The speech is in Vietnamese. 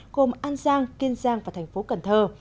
gồm an giang kiên giang và thành phố cần thơ